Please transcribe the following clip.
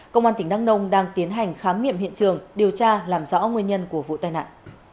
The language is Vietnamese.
công an tỉnh đăng nông đang tiến hành khám nghiệm hiện trường điều tra làm rõ nguyên nhân của vụ tai nạn